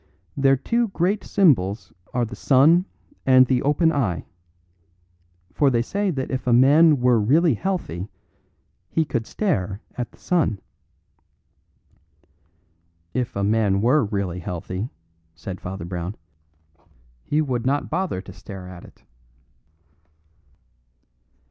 Their two great symbols are the sun and the open eye; for they say that if a man were really healthy he could stare at the sun." "If a man were really healthy," said Father Brown, "he would not bother to stare at it."